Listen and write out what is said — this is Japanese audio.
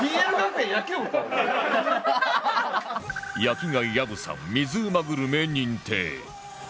焼き貝あぶさん水うまグルメ認定